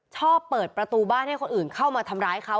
เปิดประตูบ้านให้คนอื่นเข้ามาทำร้ายเขา